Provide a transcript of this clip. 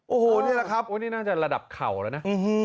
โอ้โหนี่แหละครับโอ้นี่น่าจะระดับเข่าแล้วนะ